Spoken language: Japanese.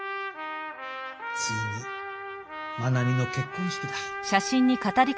ついにまなみの結婚式だ。